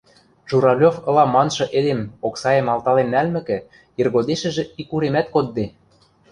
Журавлев ылам маншы эдем оксаэм алтален нӓлмӹкӹ, иргодешӹжӹ икуремӓт кодде.